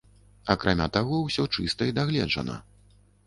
Акрамя таго, усё чыста і дагледжана.